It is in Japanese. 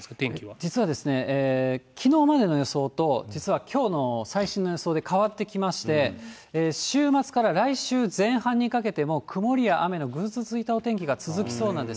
実はですね、きのうまでの予想と、実はきょうの最新の予想で変わってきまして、週末から来週前半にかけても、曇りや雨のぐずついたお天気が続きそうなんです。